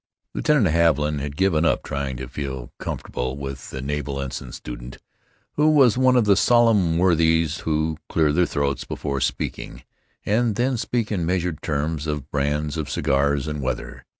Lieutenant Haviland had given up trying to feel comfortable with the naval ensign student, who was one of the solemn worthies who clear their throats before speaking, and then speak in measured terms of brands of cigars and weather.